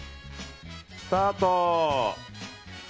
スタート！